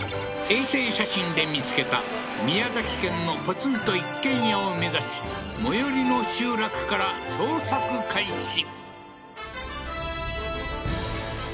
衛星写真で見つけた宮崎県のポツンと一軒家を目指し最寄りの集落から捜索開始